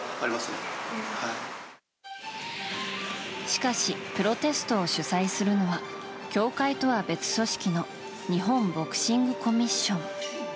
しかし、プロテストを主催するのは協会とは別組織の日本ボクシングコミッション。